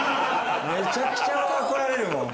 めちゃくちゃ怒られるもん。